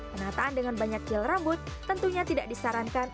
penataan dengan banyak gel rambut tentunya tidak disarankan